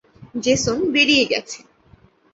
Jason বেরিয়ে গেছে।